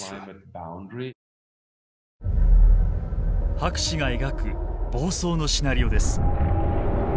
博士が描く暴走のシナリオです。